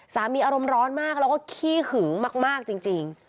อารมณ์ร้อนมากแล้วก็ขี้หึงมากจริง